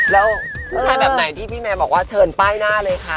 แล้วผู้ชายแบบไหนที่พี่แมร์บอกว่าเชิญป้ายหน้าเลยค่ะ